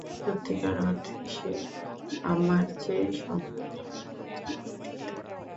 সত্যিকার অর্থে, সে আমার চেয়ে সম্পূর্ণ আলাদা একজন ব্যক্তিত্ব।